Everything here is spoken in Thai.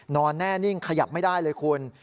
นอนแน่นิ่งขยับไม่ได้เลยคุณ